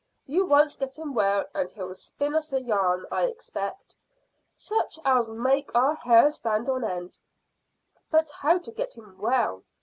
You once get him well, and he'll spin us a yarn, I expect, such as'll make our hair stand on end." "But how to get him well?"